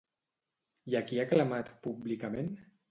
I a qui ha aclamat públicament?